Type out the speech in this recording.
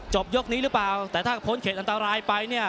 ยกนี้หรือเปล่าแต่ถ้าพ้นเขตอันตรายไปเนี่ย